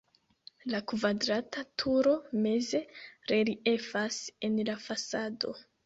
La kvadrata turo meze reliefas en la fasado.